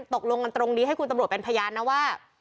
ตกลงกันตรงนี้ให้คุณตำรวจเป็นพยานนะว่า